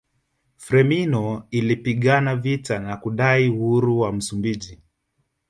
Frelimo ilipigana vita na kudai uhuru wa Msumbiji